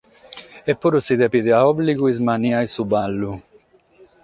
E puru si depet a òbligu ismanniare su ballu.